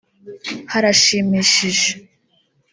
harashimishije